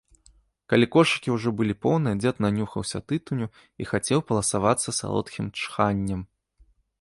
Калі кошыкі ўжо былі поўныя, дзед нанюхаўся тытуню і хацеў паласавацца салодкім чханнем.